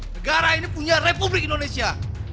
negara ini punya republik indonesia